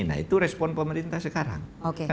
nah itu respon pemerintah sekarang